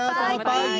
selamat pagi ibu siska